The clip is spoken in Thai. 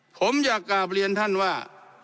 ผมอยากกลับเรียนท่านว่า